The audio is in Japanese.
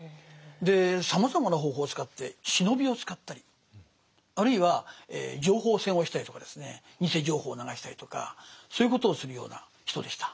さまざまな方法を使って忍びを使ったりあるいは情報戦をしたりとかですね偽情報を流したりとかそういうことをするような人でした。